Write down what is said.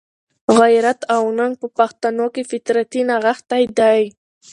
غیرت او ننګ په پښتنو کښي فطرتي نغښتی دئ.